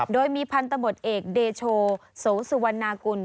โดยมีพันธบทเอกเดโชโสสุวรรณากุล